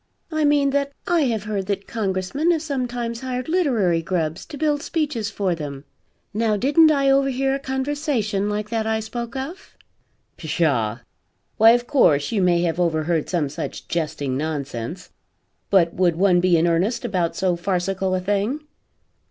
I mean that I have heard that Congressmen have sometimes hired literary grubs to build speeches for them. Now didn't I overhear a conversation like that I spoke of?" "Pshaw! Why of course you may have overheard some such jesting nonsense. But would one be in earnest about so farcical a thing?"